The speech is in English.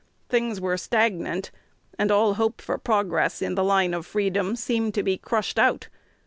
Things were stagnant; and all hope for progress in the line of freedom seemed to be crushed out.